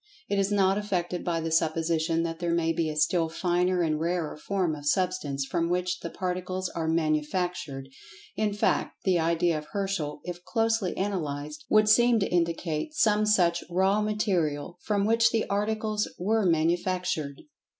It is not affected by the supposition that there may be a still finer and rarer form of Substance, from which the Particles are "manufactured"—in fact, the idea of Herschel, if closely analyzed, would seem to indicate some such "raw material" from which the articles were manufactured.